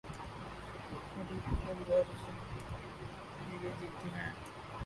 خود غرض خود لئے جیتے ہیں۔